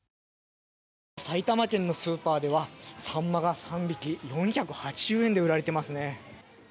埼玉県のスーパーではサンマが３匹４８０円で売られてますね。